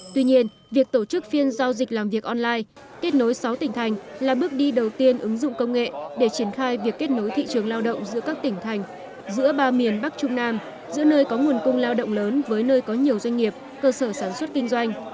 tuy nhiên việc tổ chức phiên giao dịch làm việc online kết nối sáu tỉnh thành là bước đi đầu tiên ứng dụng công nghệ để triển khai việc kết nối thị trường lao động giữa các tỉnh thành giữa ba miền bắc trung nam giữa nơi có nguồn cung lao động lớn với nơi có nhiều doanh nghiệp cơ sở sản xuất kinh doanh